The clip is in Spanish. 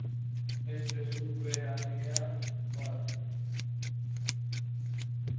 Entre sus veraneantes destaca el exministro de asuntos exteriores Laureano López Rodó.